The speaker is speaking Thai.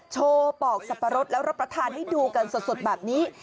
โชว์ปอกสับปะรดแล้วรับประทานให้ดูกันสดแบบนี้